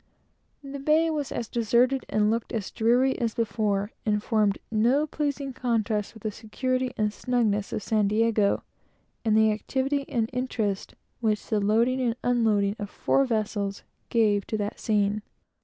The bay was as deserted, and looked as dreary, as before, and formed no pleasing contrast with the security and snugness of San Diego, and the activity and interest which the loading and unloading of four vessels gave to that scene.